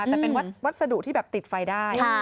แต่เป็นวัสดุที่แบบติดไฟได้